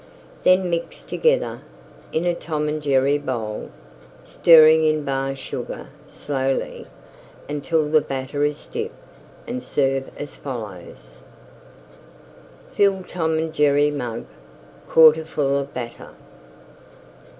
Then mix together in a Tom and Jerry bowl, stirring in Bar Sugar slowly until the batter is stiff and serve as follows: Fill Tom and Jerry Mug 1/4 full of Batter.